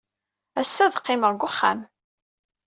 Ass-a, ad qqimeɣ deg uxxam.